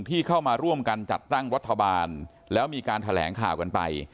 ที่เข้ามาร่วมกันจัดตั้งรัฐบาลแล้วมีการแถลงข่าวกันไป